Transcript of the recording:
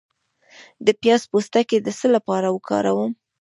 د پیاز پوستکی د څه لپاره وکاروم؟